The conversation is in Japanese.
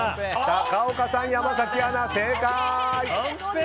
高岡さん、山崎アナ、正解。